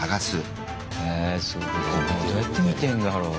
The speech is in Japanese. どうやって見てんだろう？